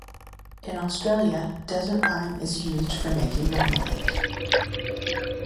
In Australia, desert lime is used for making marmalade.